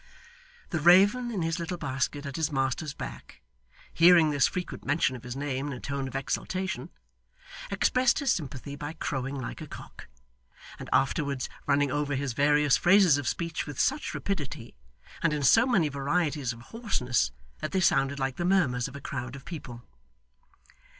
The raven, in his little basket at his master's back, hearing this frequent mention of his name in a tone of exultation, expressed his sympathy by crowing like a cock, and afterwards running over his various phrases of speech with such rapidity, and in so many varieties of hoarseness, that they sounded like the murmurs of a crowd of people.